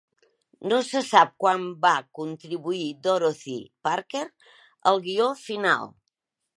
No se sap quan va contribuir Dorothy Parker al guió final.